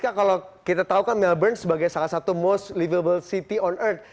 kalau kita tahu kan melbourne sebagai salah satu most livable city on art